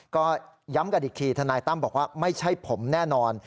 ก็ย้ำกันอีกทีทนายตั้มบอกว่าไม่ใช่ผมแน่นอน